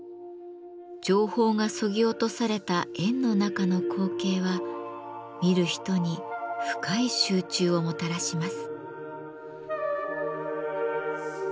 情報がそぎ落とされた円の中の光景は見る人に深い集中をもたらします。